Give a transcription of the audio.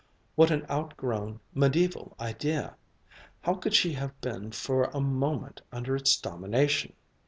What an outgrown, mediaeval idea! How could she have been for a moment under its domination!